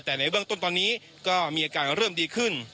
แต่ในเบื้องต้นตอนนี้ก็มีอาการเริ่มดีขึ้น